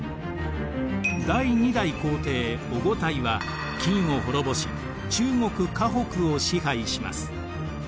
第２代皇帝オゴタイは金を滅ぼし中国・華北を支配します。